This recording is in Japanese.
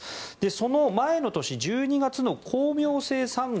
その前の年１２月の「光明星３号」